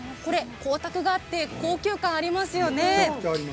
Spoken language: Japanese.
光沢があって高級感がありますね。